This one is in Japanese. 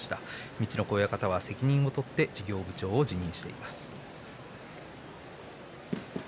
陸奥親方は責任を取って事業部長を辞任しています。